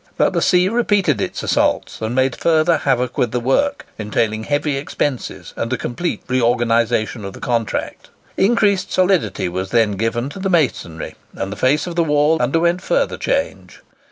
But the sea repeated its assaults, and made further havoc with the work; entailing heavy expenses and a complete reorganisation of the contract. Increased solidity was then given to the masonry, and the face of the wall underwent further change.